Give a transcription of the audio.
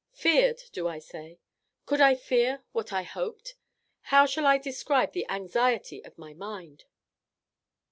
Feared! do I say? could I fear what I hoped? how shall I describe the anxiety of my mind?"